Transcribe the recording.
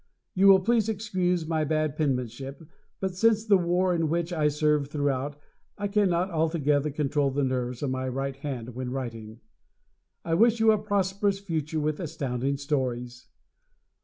You will please excuse my bad penmanship, but since the war, in which I served throughout, I cannot altogether control the nerves of my right hand when writing. I wish you a prosperous future with Astounding Stories!